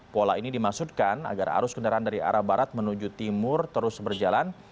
pola ini dimaksudkan agar arus kendaraan dari arah barat menuju timur terus berjalan